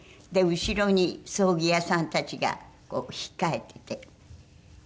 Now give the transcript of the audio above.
で後ろに葬儀屋さんたちが控えてて。